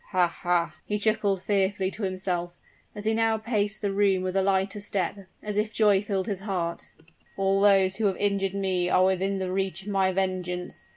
"Ha! ha!" he chuckled fearfully to himself, as he now paced the room with a lighter step as if joy filled his heart; "all those who have injured me are within the reach of my vengeance.